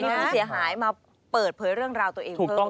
แล้วคุณเสียหายมาเปิดเผยเรื่องราวตัวเอง